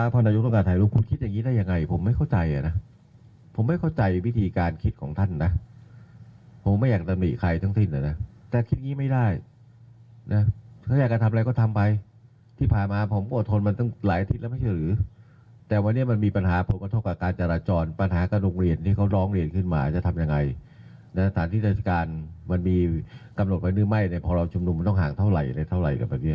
เพราะมันมีกำหนดไว้หรือไม่ในพราวชุมนุมมันต้องห่างเท่าไหร่